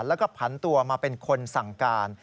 แล้วก็ผันตัวมาเป็นคนสั่งการ